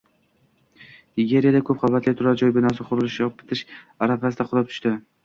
Nigeriyada ko‘p qavatli turar-joy binosi qurilishi bitish arafasida qulab tushding